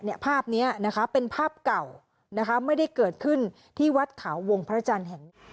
ภาพนี้นะคะเป็นภาพเก่านะคะไม่ได้เกิดขึ้นที่วัดขาววงพระจันทร์แห่ง